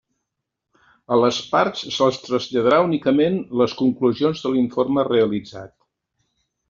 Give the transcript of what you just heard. A les parts se'ls traslladarà únicament les conclusions de l'informe realitzat.